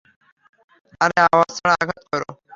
আরে, আওয়াজ ছাড়া আঘাত কর।